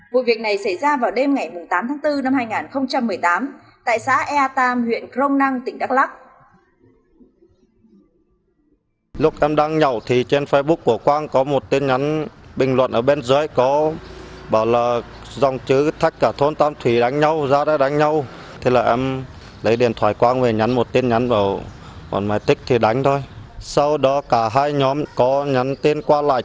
một việc này xảy ra vào đêm ngày tám tháng bốn năm hai nghìn một mươi tám tại xã ea tam huyện crong năng tỉnh đắk lắc